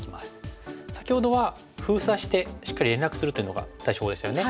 先ほどは封鎖してしっかり連絡するというのが対処法でしたよね。